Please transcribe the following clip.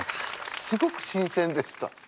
すごく新鮮でした。